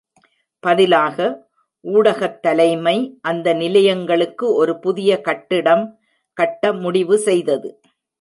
பதிலாக, ஊடகத் தலைமை, அந்த நிலையங்களுக்கு ஒரு புதிய கட்டிடம் கட்ட முடிவு செய்தது